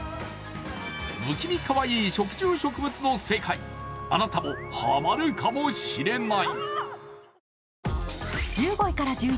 不気味かわいい食虫植物の世界、あなたもはまるかもしれない。